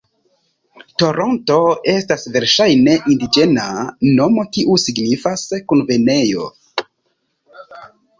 Toronto estas verŝajne indiĝena nomo kiu signifas "Kunvenejo".